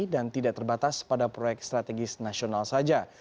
dan tidak terbatas pada proyek strategis nasional saja